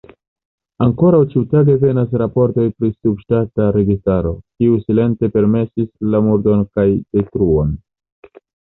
Ankoraŭ ĉiutage venas raportoj pri subŝtata registaro, kiu silente permesis la murdon kaj detruon.